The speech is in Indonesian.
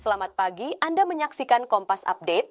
selamat pagi anda menyaksikan kompas update